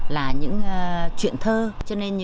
là những chuyện thơ